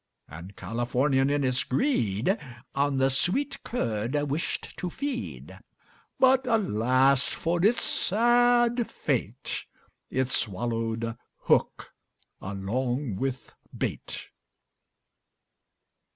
And Californian in its greed, On the sweet curd wished to feed; But, alas, for it's sad fate, It swallowed hook along with bait.